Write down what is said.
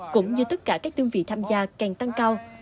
cũng như tất cả các tương vị tham gia càng tăng cao